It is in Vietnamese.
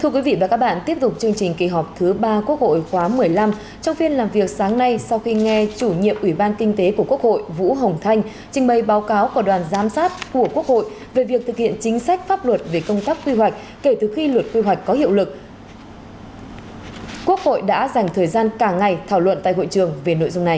các bạn hãy đăng ký kênh để ủng hộ kênh của chúng mình nhé